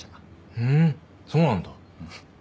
ふんそうなんだ。